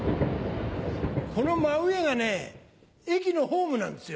この真上が駅のホームなんですよ。